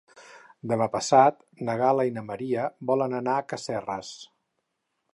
Demà passat na Gal·la i na Maria volen anar a Casserres.